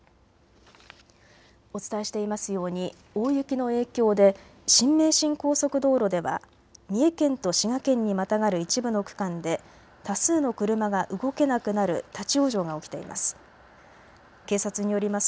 お伝えしていますように大雪の影響で新名神高速道路では三重県と滋賀県にまたがる一部の区間で多数の車が動けなくなる立往生が起きています。